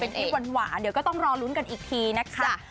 ทริปหวานเดี๋ยวก็ต้องรอลุ้นกันอีกทีนะคะ